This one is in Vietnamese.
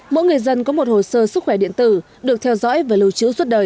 mỗi người dân có một hồ sơ sức khỏe điện tử được theo dõi và lưu trữ suốt đời